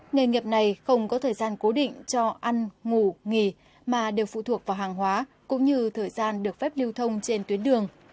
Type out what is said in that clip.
nghề nghiệp này không có thời gian cố định cho ăn ngủ nghỉ mà đều phụ thuộc vào hàng hóa cũng như thời gian được phép lưu thông trên tuyến đường